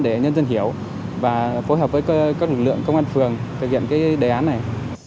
để nhân dân hiểu và phối hợp với các lực lượng công an phường thực hiện đề án này